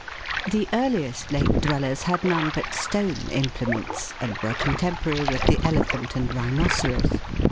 The earliest lake dwellers had none but stone imple ments, and were contemporary with the elephant and rhinoceros.